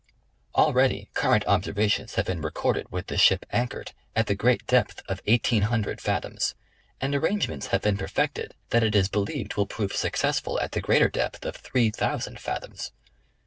Already current observations have been recorded with the ship anchored at the great depth of eighteen hundred fathoms ; and arrangements have been perfected that it is be lieved will prove successful at the greater depth of three thousand fathoms.